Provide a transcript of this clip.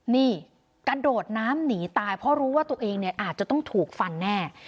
นี่กระโดดน้ำหนีตายเพราะรู้ว่าตัวเองเนี่ยอาจจะต้องถูกฟันแน่